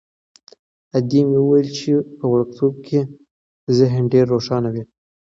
ادې مې ویل چې په وړکتوب کې ذهن ډېر روښانه وي.